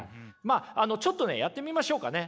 ちょっとねやってみましょうかね。